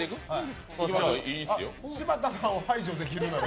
柴田さんを排除できるなら。